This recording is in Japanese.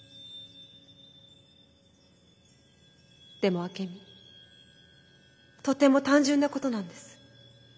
でもアケミとても単純なことなんです。